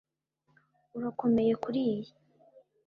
Urakomeye kuriyi